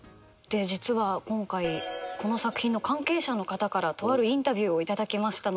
実は今回この作品の関係者の方からとあるインタビューを頂けましたので一緒にぜひご覧ください。